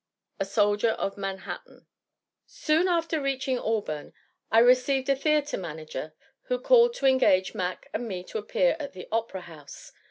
A Soldier of Manhattan. Soon after reaching Auburn, I received a theatre manager who called to engage Mac and me to appear at the Opera House.